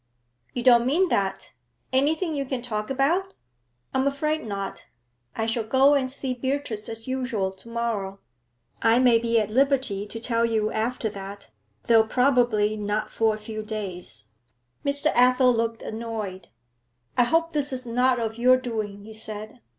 'You don't mean that? Anything you can talk about?' 'I'm afraid not. I shall go and see Beatrice as usual tomorrow. I may be at liberty to tell you after that, though probably not for a few days.' Mr. Athel looked annoyed. 'I hope this is not of your doing,' he said.